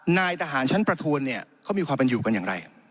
นายทหารชั้นประทวนเนี่ยเขามีความเป็นอยู่กันอย่างไร